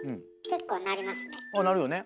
結構鳴りますね。